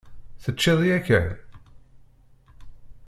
Teččiḍ yakan?